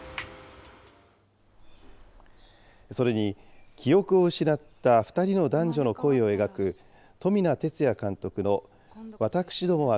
それに、記憶を失った２人の男女の恋を描く、富名哲也監督のわたくしどもは。